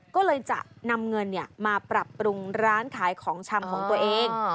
ก็เลยจะนำเงินมาปรับปรุงร้านขายของชำของตัวเอง